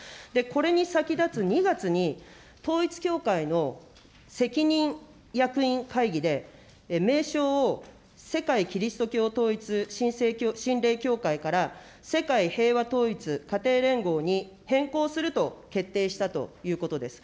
これに先立つ２月に、統一教会の責任役員会議で、名称を世界基督教統一神霊協会から、世界平和統一家庭連合に変更すると決定したということです。